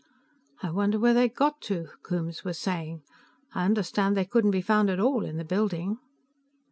"I wonder where they got to," Coombes was saying. "I understand they couldn't be found at all in the building."